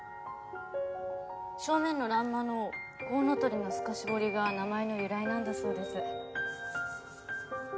正面の欄間のコウノトリの透かし彫りが名前の由来なんだそうです。